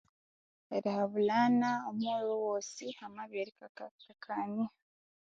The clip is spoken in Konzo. Erihabulhana omughulhu wosi hamabya erikakakania.